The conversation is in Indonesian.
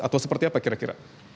atau seperti apa kira kira